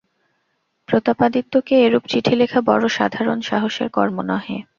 প্রতাপাদিত্যকে এরূপ চিঠি লেখা বড় সাধারণ সাহসের কর্ম নহে।